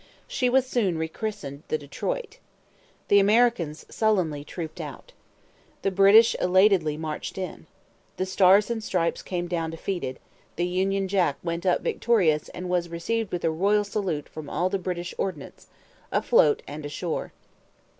She was soon rechristened the Detroit. The Americans sullenly trooped out. The British elatedly marched in. The Stars and Stripes came down defeated. The Union Jack went up victorious and was received with a royal salute from all the British ordnance, afloat and ashore.